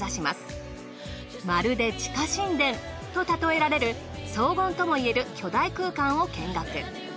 まるで地下神殿と例えられる荘厳とも言える巨大空間を見学。